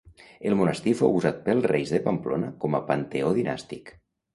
El monestir fou usat pels reis de Pamplona com a panteó dinàstic.